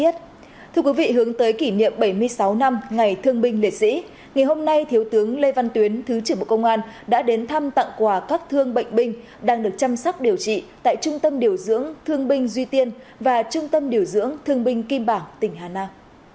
thưa quý vị hướng tới kỷ niệm bảy mươi sáu năm ngày thương binh liệt sĩ ngày hôm nay thiếu tướng lê văn tuyến thứ trưởng bộ công an đã đến thăm tặng quà các thương bệnh binh đang được chăm sóc điều trị tại trung tâm điều dưỡng thương binh duy tiên và trung tâm điều dưỡng thương binh kim bảng tỉnh hà nam